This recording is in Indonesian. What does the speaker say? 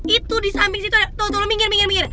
itu disamping situ ada tuh lu minggir minggir